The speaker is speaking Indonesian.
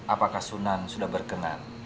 apakah sunan sudah berkenan